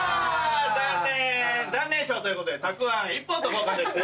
残念残念賞ということでたくあん１本と交換ですね。